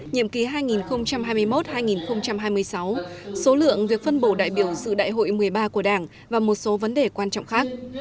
nhiệm ký hai nghìn hai mươi một hai nghìn hai mươi sáu số lượng việc phân bổ đại biểu dự đại hội một mươi ba của đảng và một số vấn đề quan trọng khác